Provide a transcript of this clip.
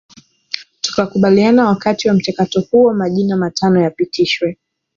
Tukakubaliana Wakati wa mchakato huo majina matano yapitishwe